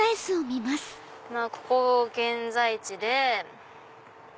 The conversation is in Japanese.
ここ現在地で。